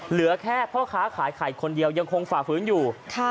เหลือแค่พ่อค้าขายไข่คนเดียวยังคงฝ่าฝืนอยู่